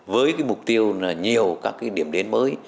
với mục tiêu là nhiều các điểm đến mới